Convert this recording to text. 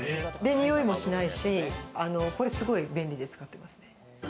においもしないし、これすごい便利で使ってますね。